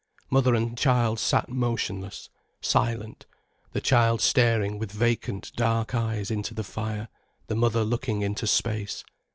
Mother and child sat motionless, silent, the child staring with vacant dark eyes into the fire, the mother looking into space.